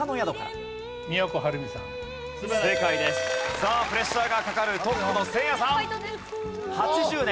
さあプレッシャーがかかるトップのせいやさん。